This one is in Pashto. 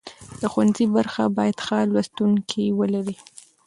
د ښوونځي برخه باید ښه لوستونکي ولري.